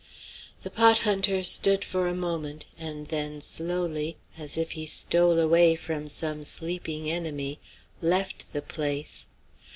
The pot hunter stood for a moment, and then slowly, as if he stole away from some sleeping enemy, left the place.